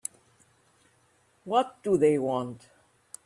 What do they want?